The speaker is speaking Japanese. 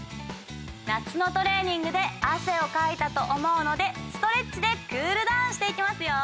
夏のトレーニングであせをかいたとおもうのでストレッチでクールダウンしていきますよ！